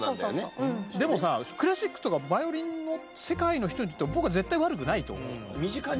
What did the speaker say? でもさクラシックとかヴァイオリンの世界の人にとって僕は絶対悪くないと思うの。